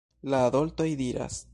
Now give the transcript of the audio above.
La adoltoj diras: